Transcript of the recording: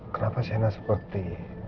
kenapa shaina seperti